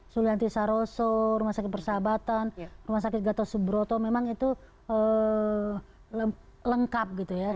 sulianti saroso rumah sakit persahabatan rumah sakit gatot subroto memang itu lengkap gitu ya